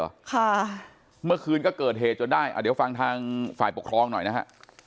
ค่ะเมื่อคืนก็เกิดเหตุจนได้อ่าเดี๋ยวฟังทางฝ่ายปกครองหน่อยนะฮะ